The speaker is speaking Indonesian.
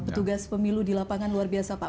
petugas pemilu di lapangan luar biasa pak